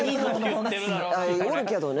おるけどね。